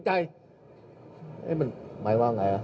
ใช่มั้ย